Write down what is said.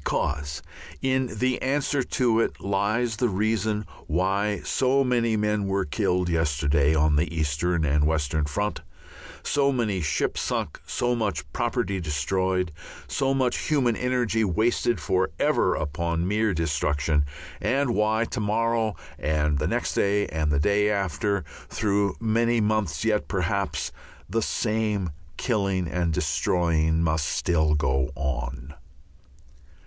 Because in the answer to it lies the reason why so many men were killed yesterday on the eastern and western front, so many ships sunk, so much property destroyed, so much human energy wasted for ever upon mere destruction, and why to morrow and the next day and the day after through many months yet, perhaps the same killing and destroying must still go on.